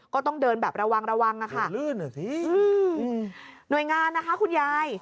ก็ต้องเดินแบบระวังระวังอ่ะค่ะลื่นอ่ะสิอืมหน่วยงานนะคะคุณยาย